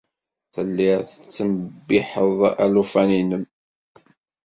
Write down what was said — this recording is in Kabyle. Telliḍ tettdewwiḥeḍ alufan-nnem.